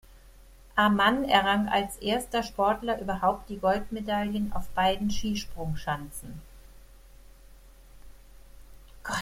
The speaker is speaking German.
Ammann errang als erster Sportler überhaupt die Goldmedaillen auf beiden Skisprungschanzen.